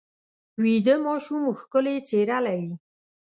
ویده ماشوم ښکلې څېره لري